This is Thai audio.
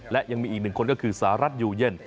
และยังมีอีกหนึ่งคนก็คือสหรัฐอยู่เย็น